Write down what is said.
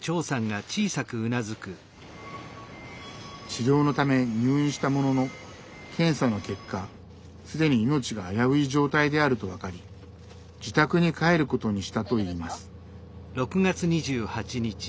治療のため入院したものの検査の結果既に命が危うい状態であると分かり自宅に帰ることにしたといいます。